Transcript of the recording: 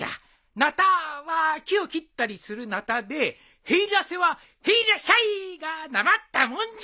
「なた」は木を切ったりするなたで「へいらせ」はへいらっしゃいがなまったもんじゃ。